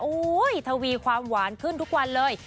ทวีความหวานขึ้นทุกวันเลย